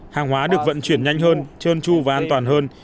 hàng hóa được vận chuyển nhanh hơn trơn tru và an toàn hơn